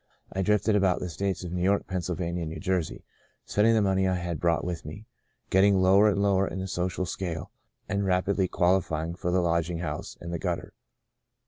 I drifted about the states of New York, Pennsylvania and New Jersey, spend ing the money I had brought with me, get ting lower and lower in the social scale and rapidly qualifying for the lodging house and the gutter.